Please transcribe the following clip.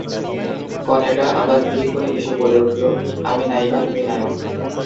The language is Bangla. কনেটা আবার ফিড়িক করে হেসে বলে উঠল - আমি নায়িকা, তুমি নায়ক।